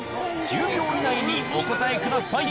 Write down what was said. １０秒以内にお答えください